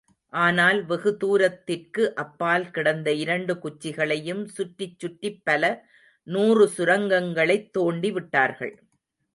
ஆனால் வெகுதூரத்திற்கு அப்பால் கிடந்த இரண்டு குச்சிகளையும் சுற்றிச்சுற்றிப் பல நூறு சுரங்கங்களைத் தோண்டிவிட்டார்கள்.